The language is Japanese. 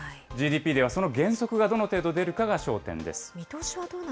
ＧＤＰではその減速がどの程度出るかが焦点です。